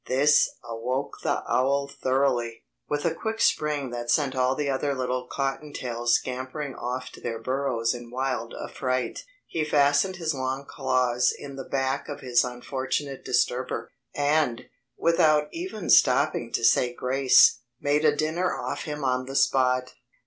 This awoke the owl thoroughly. With a quick spring that sent all the other little cotton tails scampering off to their burrows in wild affright, he fastened his long claws in the back of his unfortunate disturber, and, without even stopping to say grace, made a dinner off him on the spot.